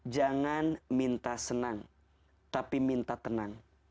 jangan minta senang tapi minta tenang